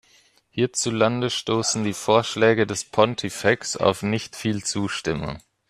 Hierzulande stoßen die Vorschläge des Pontifex auf nicht viel Zustimmung.